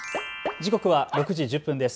時刻は６時１０分です。